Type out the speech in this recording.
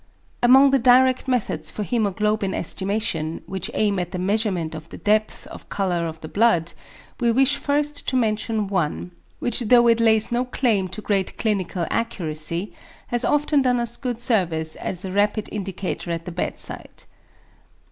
Among the direct methods for hæmoglobin estimation, which aim at the measurement of the depth of colour of the blood, we wish first to mention one, which though it lays no claim to great clinical accuracy has often done us good service as a rapid indicator at the bedside.